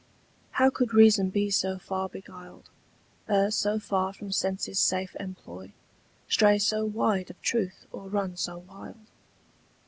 How could reason be so far beguiled, Err so far from sense's safe employ, Stray so wide of truth, or run so wild?